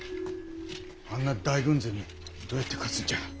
あんな大軍勢にどうやって勝つんじゃ。